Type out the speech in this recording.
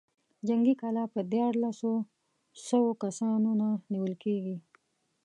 جنګي کلا په ديارلسو سوو کسانو نه نېول کېږي.